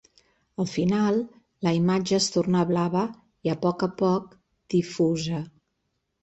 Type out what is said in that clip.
Al final, la imatge es torna blava i a poc a poc difusa.